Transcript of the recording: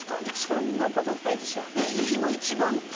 そんなことないでしょう